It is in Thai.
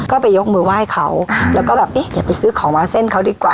ก็ไปยกมือไหว้เขาแล้วก็แบบเอ๊ะอย่าไปซื้อของมาเส้นเขาดีกว่า